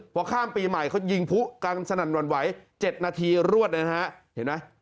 พอข้ามปีใหม่เขายิงผู้กันสนั่นหวั่นไหว๗นาทีรวดเลยนะฮะเห็นไหม